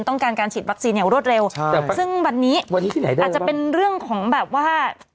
ต้องการการฉีดวัคซีนอย่างรวดเร็วซึ่งวันนี้อาจจะเป็นเรื่องของแบบว่า